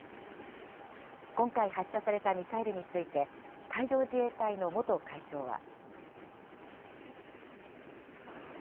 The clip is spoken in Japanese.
今回発射されたミサイルについて、海上自衛隊の元海将は。